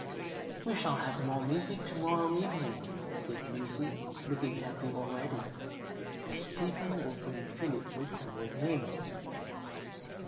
"We shall have more music to morrow evening," said Lucy, looking happy already, "for Stephen will bring Philip Wakem with him."